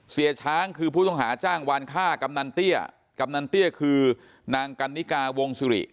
เสียช้างคือผู้ต้องหาจ้างวานฆ่ากำนันเตี้ยกำนันเตี้ยคือนางกันนิกาวงศิริ